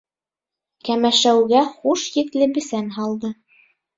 Кәмәшәүгә хуш еҫле бесән һалды.